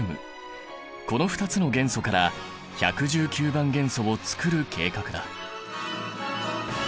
この２つの元素から１１９番元素を作る計画だ。